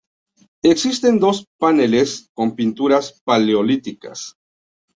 Existen dos paneles con pinturas paleolíticas.